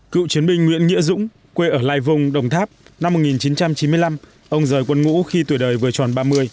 cựu chiến binh nguyễn nghĩa dũng quê ở lai vùng đồng tháp năm một nghìn chín trăm chín mươi năm ông rời quân ngũ khi tuổi đời vừa tròn ba mươi